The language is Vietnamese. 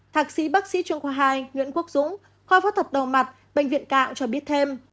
thạc sĩ bác sĩ trường khoa hai nguyễn quốc dũng kho phát thập đầu mặt bệnh viện cạng cho biết thêm